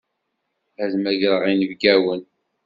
Ad mmagreɣ inebgawen.